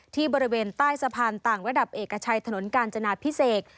ที่บริเวณใต้สะพานต่างระดับเอกชัยถนนกาญจนาพิเศษ